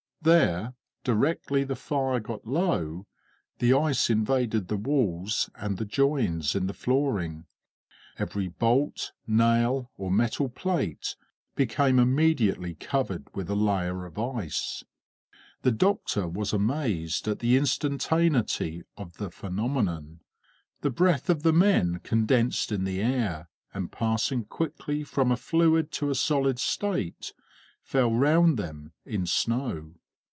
There, directly the fire got low, the ice invaded the walls and the joins in the flooring; every bolt, nail, or metal plate became immediately covered with a layer of ice. The doctor was amazed at the instantaneity of the phenomenon. The breath of the men condensed in the air, and passing quickly from a fluid to a solid state, fell round them in snow.